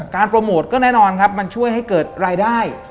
โปรโมทก็แน่นอนครับมันช่วยให้เกิดรายได้